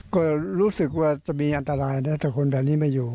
ก็บอกว่าเรียนอันตรายแน่ทั่วคนแบบนี้มาอยู่